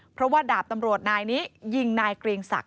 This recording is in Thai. เพราะว่าดาบตำรวจนายนี้ยิงนายเกรียงศักดิ